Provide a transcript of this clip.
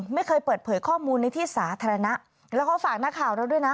ไม่เคยเปิดเผยข้อมูลในที่สาธารณะแล้วก็ฝากนักข่าวเราด้วยนะ